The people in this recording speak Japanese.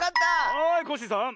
はいコッシーさん。